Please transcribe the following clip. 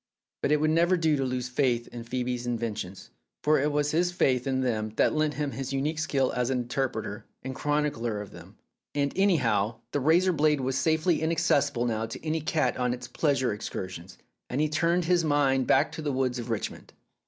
But it would never do to lose faith in Phoebe's inventions, for it was his faith in them that lent him his unique skill as interpreter and chronicler of them. And, any how, the razor blade was safely inaccessible now to any cat on its pleasure excursions, and he turned his mind back to the woods of Richmond.